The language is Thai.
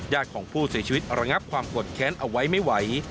ของผู้เสียชีวิตระงับความกดแค้นเอาไว้ไม่ไหว